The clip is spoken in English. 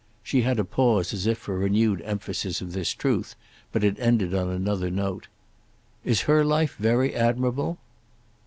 She had a pause as if for renewed emphasis of this truth, but it ended on another note. "Is her life very admirable?"